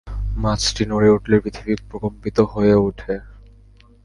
মাছটি নড়ে উঠলে পৃথিবী প্রকম্পিত হয়ে ওঠে।